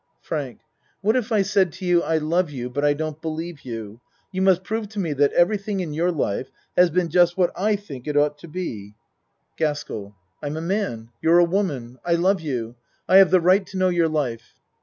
FRANK What if I said to you ; "I love you, but I don't believe you. You must prove to me that everything in your life has been just what / think it ought to be." 74 A MAN'S WORLD GASKELL I'm a man. You're a woman. I love you. I have the right to know your life.